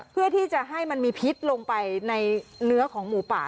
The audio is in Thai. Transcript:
เพื่อที่จะให้มันมีพิษลงไปในเนื้อของหมูป่า